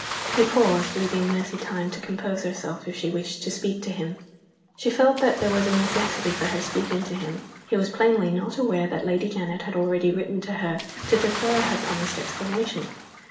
He paused leaving Mercy time to compose herself, if she wished to speak to him. She felt that there was a necessity for her speaking to him. He was plainly not aware that Lady Janet had already written to her to defer her promised explanation.